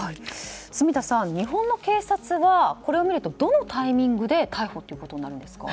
住田さん、日本の警察はこれを見るとどのタイミングで逮捕となるんですか？